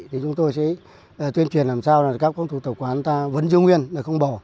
thì chúng tôi sẽ tuyên truyền làm sao là các phong tục tập quán ta vẫn giữ nguyên là không bỏ